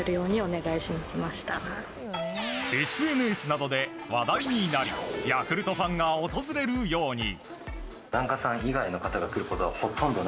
ＳＮＳなどで話題になりヤクルトファンが訪れるように。